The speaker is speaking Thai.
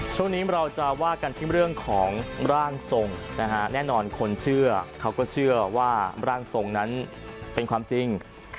ช่วงนี้เราจะว่ากันที่เรื่องของร่างทรงนะฮะแน่นอนคนเชื่อเขาก็เชื่อว่าร่างทรงนั้นเป็นความจริง